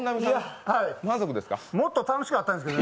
もっと楽しかったんですけどね。